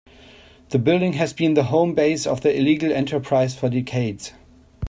The building has been the home base of the illegal enterprise for decades.